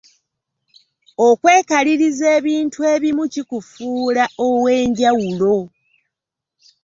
Okwekaliriza ebintu ebimu kikufuula ow'enjawulo.